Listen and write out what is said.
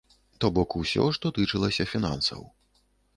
То бок усё, што тычылася фінансаў.